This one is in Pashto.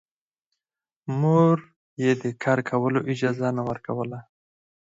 مور يې د کار کولو اجازه نه ورکوله